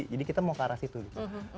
jadi kita mau ke arah situ gitu